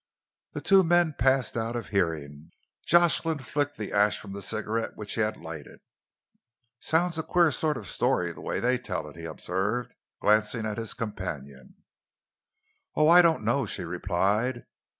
The two men passed out of hearing. Jocelyn flicked the ash from the cigarette which he had lighted. "Sounds a queer sort of story, the way they tell it," he observed, glancing at his companion. "Oh, I don't know," she replied.